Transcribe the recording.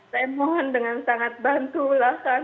saya mohon dengan sangat bantu lah